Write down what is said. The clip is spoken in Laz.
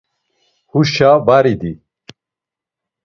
Huşa var idi.